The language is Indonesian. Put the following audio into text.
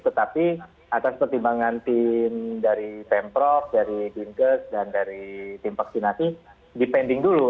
tetapi atas pertimbangan tim dari pemprov dari dinkes dan dari tim vaksinasi dipending dulu